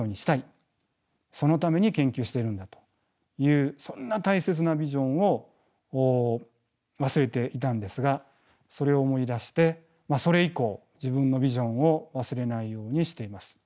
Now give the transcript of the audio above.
そのために研究してるんだというそんな大切なビジョンを忘れていたんですがそれを思い出してそれ以降自分のビジョンを忘れないようにしています。